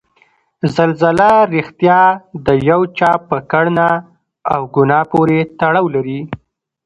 زلزله ریښتیا د یو چا په کړنه او ګناه پورې تړاو لري؟